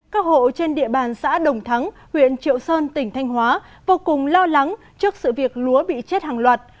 các hộ trên địa bàn xã đồng thắng huyện triệu sơn tỉnh thanh hóa vô cùng lo lắng trước sự việc lúa bị chết hàng loạt